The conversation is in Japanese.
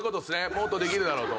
もっとできるだろうと。